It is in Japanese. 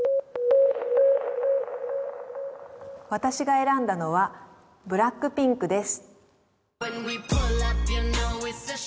私が選んだのはＢＬＡＣＫＰＩＮＫです